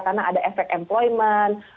karena ada efek employment